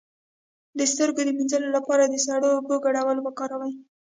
د سترګو د مینځلو لپاره د سړو اوبو ګډول وکاروئ